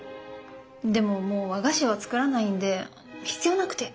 でももう和菓子は作らないんで必要なくて。